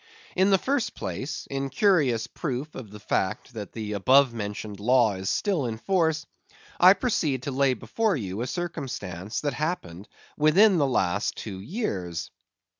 In the first place, in curious proof of the fact that the above mentioned law is still in force, I proceed to lay before you a circumstance that happened within the last two years.